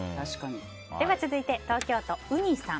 続いて、東京都の方。